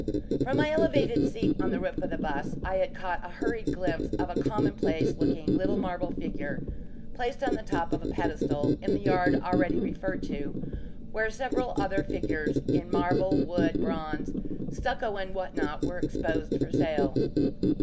From my elevated seat on the roof of the 'bus, I had caught a hurried glimpse of a commonplace looking little marble figure, placed on the top of a pedestal, in the yard already referred to, where several other figures in marble, wood, bronze, stucco and what not, were exposed for sale.